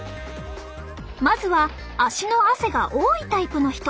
まずは足の汗が多いタイプの人。